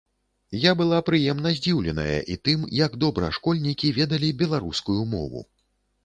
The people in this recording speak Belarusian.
Я была прыемна здзіўленая і тым, як добра школьнікі ведалі беларускую мову.